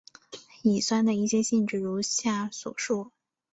乙酸的一些性质如下所述。